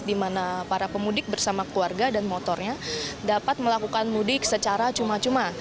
di mana para pemudik bersama keluarga dan motornya dapat melakukan mudik secara cuma cuma